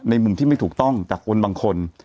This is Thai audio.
แต่หนูจะเอากับน้องเขามาแต่ว่า